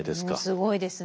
すごいですね。